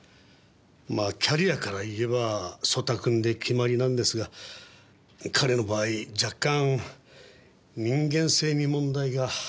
まあキャリアからいえば曽田君で決まりなんですが彼の場合若干人間性に問題が。